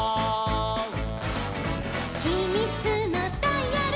「ひみつのダイヤル」